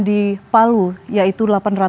di palu yaitu